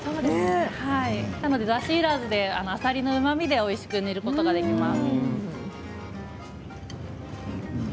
だしいらずであさりのうまみでおいしくすることができます。